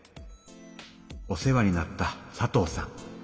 お世話になった佐藤さん。